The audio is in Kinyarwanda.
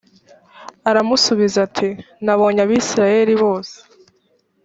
aramusubiza ati nabonye abisirayeli bose